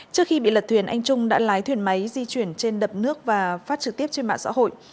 trước khi bị lật thuyền anh trung đã lái thuyền máy di chuyển trên đập nước và phát trực tiếp trên mạng xã hội